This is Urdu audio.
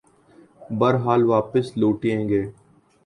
بہرحال واپس لوٹیں گے۔